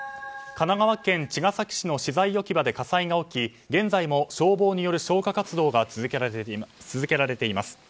神奈川県茅ケ崎市の資材置き場で火災が起き現在も消防による消火活動が続けられています。